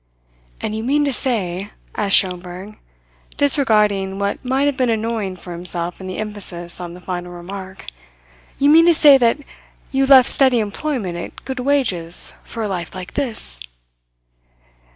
"And you mean to say," asked Schomberg, disregarding what might have been annoying for himself in the emphasis of the final remark, "you mean to say that you left steady employment at good wages for a life like this?"